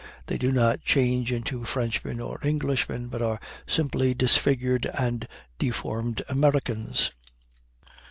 They do not change into Frenchmen or Englishmen, but are simply disfigured and deformed Americans.